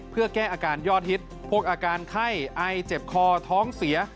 เพื่อแก้อาการยอดฮิตพวกอาการไข้ไอเจ็บคอท้องเสีย